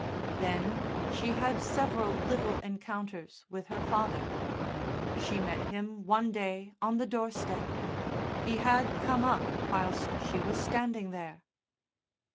Then she had several little encounters with her father. She met him one day on the doorstep. He had come up whilst she was standing there.